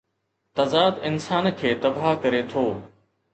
تضاد انسان کي تباهه ڪري ٿو.